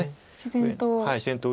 自然と。